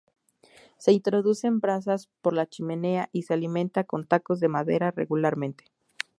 Se introducen brasas por la chimenea y se alimenta con tacos de madera regularmente.